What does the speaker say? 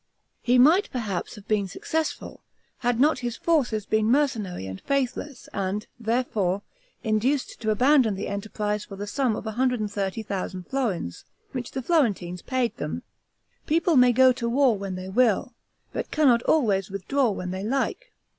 He might perhaps have been successful, had not his forces been mercenary and faithless, and, therefore, induced to abandon the enterprise for the sum of 130,000 florins, which the Florentines paid them. People may go to war when they will, but cannot always withdraw when they like.